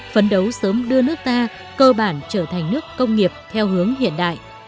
phấn đấu sớm đưa nước ta cơ bản trở thành nước công nghiệp theo hướng hiện đại